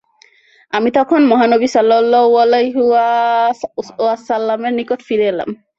আমি তখন মহানবী সাল্লাল্লাহু আলাইহি ওয়াসাল্লামের নিকট ফিরে এলাম।